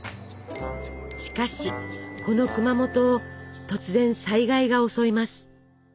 しかしこの熊本を突然災害が襲います。